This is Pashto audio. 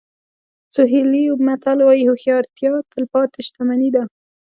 سوهیلي متل وایي هوښیارتیا تلپاتې شتمني ده.